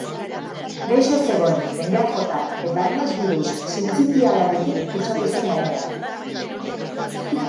Gaixo zegoen, dengeak jota, eta arnas birus sintzitialarekin kutsatu zen gainera.